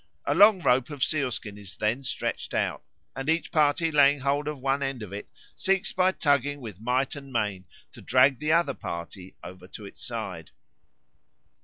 A long rope of sealskin is then stretched out, and each party laying hold of one end of it seeks by tugging with might and main to drag the other party over to its side.